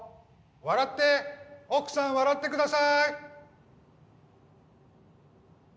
笑って奥さん笑ってください